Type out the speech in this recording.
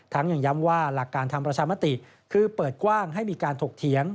ยังย้ำว่าหลักการทำประชามติคือเปิดกว้างให้มีการถกเถียง